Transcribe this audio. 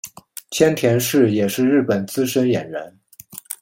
千田是也是日本资深演员。